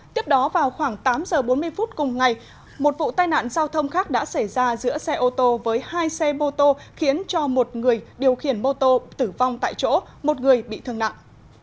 tiếp đó vào khoảng tám giờ bốn mươi phút cùng ngày một vụ tai nạn giao thông khác đã xảy ra giữa xe ô tô với hai xe mô tô khiến cho một người điều khiển mô tô tử vong tại chỗ một người bị thương nặng